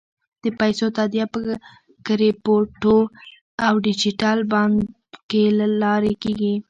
د پیسو تادیه به د کریپټو او ډیجیټل بانک له لارې کېږي.